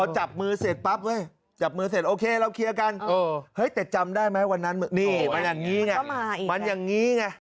จับมือเสร็จปั๊บเว้ยจับมือเสร็จโอเคเราเคลียร์กันเฮ้ยแต่จำได้ไหมวันนั้นนี่มันอย่างนี้ไงมันอย่างนี้ไง